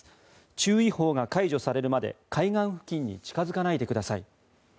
注意報が解除されるまで海岸付近に近付かないでください。